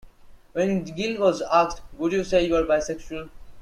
When Gill was asked, Would you say you are bisexual?